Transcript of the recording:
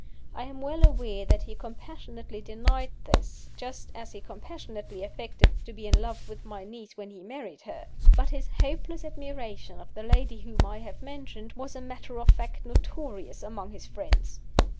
I am well aware that he compassionately denied this, just as he compassionately affected to be in love with my niece when he married her. But his hopeless admiration of the lady whom I have mentioned was a matter of fact notorious among his friends.